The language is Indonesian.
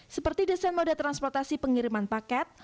seperti desain moda transportasi pengiriman paket